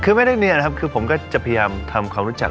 คือไม่ได้เรียนนะครับคือผมก็จะพยายามทำความรู้จัก